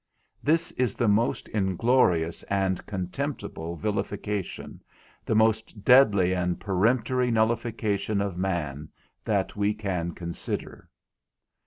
This is the most inglorious and contemptible vilification, the most deadly and peremptory nullification of man, that we can consider.